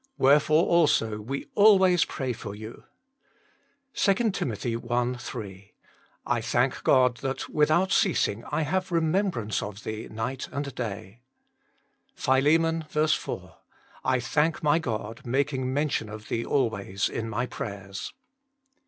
Wherefore also we always pray for you." 2 Tim. i. 3 :" I thank God, that without ceasing I have remembrance of thee night and day." Philem. 4 :" I thank my God, making mention of thee always in my prayers."